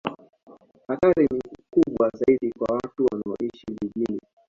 Hatari ni kubwa zaidi kwa watu wanaoishi vijijini